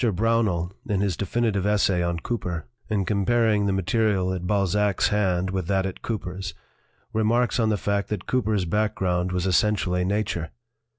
Brownell, in his definitive essay on Cooper, in comparing the material at Balzac's hand with that at Cooper's, remarks on the fact that Cooper's background was essentially nature.